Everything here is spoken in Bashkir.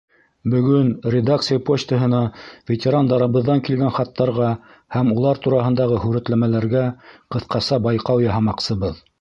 Бөгөн редакция почтаһына ветерандарыбыҙҙан килгән хаттарға һәм улар тураһындағы һүрәтләмәләргә ҡыҫҡаса байҡау яһамаҡсыбыҙ.